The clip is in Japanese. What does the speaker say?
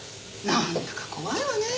なんだか怖いわねぇ。